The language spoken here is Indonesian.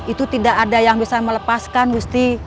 itu tidak ada yang bisa melepaskan gusti